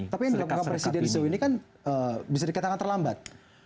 tapi yang dilakukan presiden zo ini kan bisa dikatakan terlambat